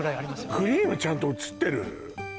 クリームちゃんと写ってる？